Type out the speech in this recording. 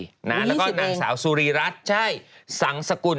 อายุ๒๐เองแล้วก็หนังสาวสุริรัติใช่สังสกุล